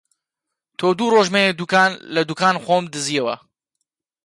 تۆ دوو ڕۆژ مەیە دووکان! لە دووکان خۆم دزییەوە